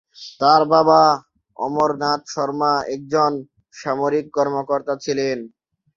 তার বাবা অমর নাথ শর্মা একজন সামরিক কর্মকর্তা ছিলেন।